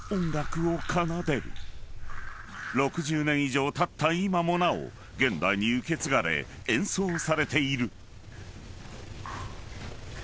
［６０年以上たった今もなお現代に受け継がれ演奏されている］